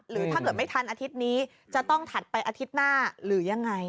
หรือถ้าเกิดไม่ทันอาทิตย์นี้จะต้องถัดไปอาทิตย์หน้าหรือยังไง